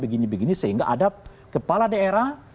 begini begini sehingga ada kepala daerah